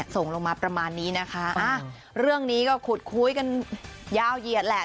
ส่งลงมาประมาณนี้นะคะเรื่องนี้ก็ขุดคุยกันยาวเหยียดแหละ